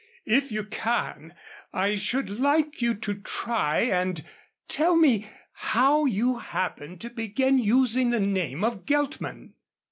If you can, I should like you to try and tell me how you happened to begin using the name of Geltman."